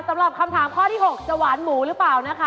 สำหรับคำถามข้อที่๖จะหวานหมูหรือเปล่านะคะ